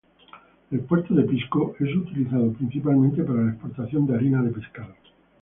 El puerto de Pisco es utilizado principalmente para la exportación de harina de pescado.